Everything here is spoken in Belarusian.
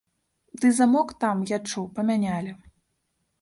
Дый замок там, я чуў, памянялі.